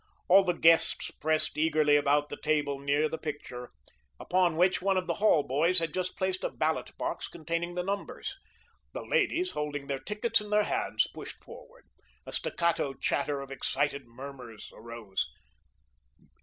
All the guests pressed eagerly about the table near the picture, upon which one of the hall boys had just placed a ballot box containing the numbers. The ladies, holding their tickets in their hands, pushed forward. A staccato chatter of excited murmurs arose.